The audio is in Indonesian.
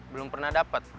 belum pernah dapat